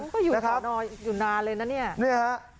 นายก็อยู่ทรนอลอยู่นานเลยนะเนี่ย